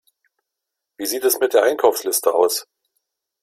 Wie sieht es mit der Einkaufsliste aus?